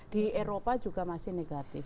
di eropa juga masih negatif